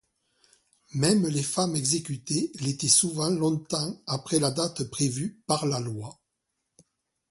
Même les femmes exécutées l'étaient souvent longtemps après la date prévue par la loi.